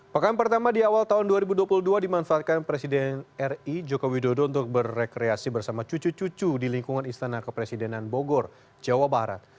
pekan pertama di awal tahun dua ribu dua puluh dua dimanfaatkan presiden ri joko widodo untuk berrekreasi bersama cucu cucu di lingkungan istana kepresidenan bogor jawa barat